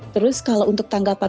terus kalau untuk tangga tangan